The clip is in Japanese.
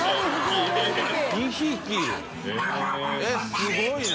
すごいね。